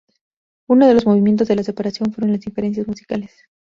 Uno de los motivos de la separación fueron las diferencias musicales.